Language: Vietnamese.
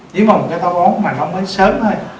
nếu mà một cái táo bón mà nó mới sớm thôi